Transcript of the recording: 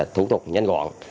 thủ tục nhanh gọn